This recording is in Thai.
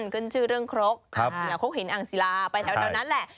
ขึ้นชื่อเรื่องครกค์เขาหีนอางศิลาไปแถวแถวนั้นแหละ